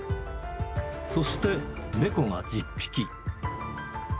そして、猫が１０匹。